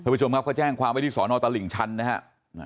ผู้ชมครับก็แจ้งความว่าที่สอนอตรลิ่งชันนะครับ